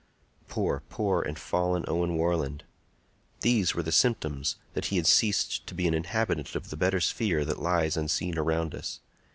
Poor, poor and fallen Owen Warland! These were the symptoms that he had ceased to be an inhabitant of the better sphere that lies unseen around us.